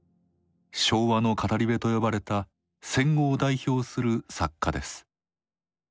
「昭和の語り部」と呼ばれた戦後を代表する作家です。